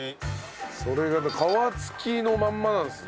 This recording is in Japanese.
それが皮つきのまんまなんですね。